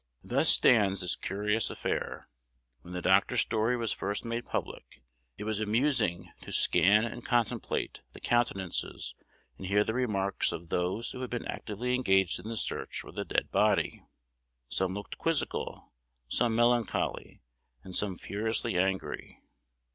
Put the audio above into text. Thus stands this curious affair. When the doctor's story was first made public, it was amusing to scan and contemplate the countenances, and hear the remarks, of those who had been actively engaged in the search for the dead body: some looked quizzical, some melancholy, and some furiously angry.